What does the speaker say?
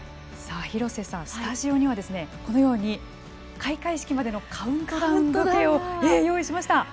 広瀬さん、スタジオにはこのように開会式までのカウントダウン時計を用意しました。